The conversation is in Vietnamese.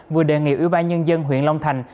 vừa đề nghị ủy ban nhân dân huyện long thành